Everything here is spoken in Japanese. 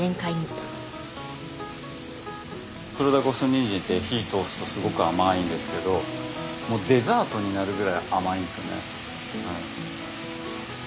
黒田五寸ニンジンって火通すとすごく甘いんですけどもうデザートになるぐらい甘いんですよね。